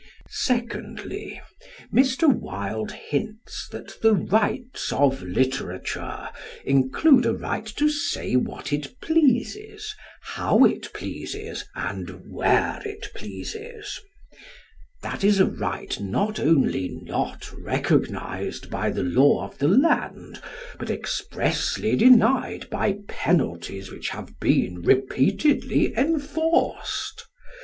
Secondly, Mr. Wilde hints that the "rights of literature" include a right to say what it pleases, how it pleases and where it pleases. That is a right not only not recognised by the law of the land, but expressly denied by penalties which have been repeatedly enforced.